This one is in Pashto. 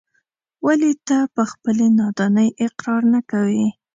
ولې ته په خپلې نادانۍ اقرار نه کوې.